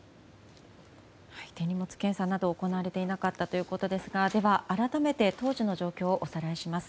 手荷物検査など行われていなかったということですがでは、改めて当時の状況をおさらいします。